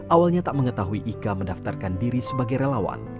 awalnya tak mengetahui ika mendaftarkan diri sebagai relawan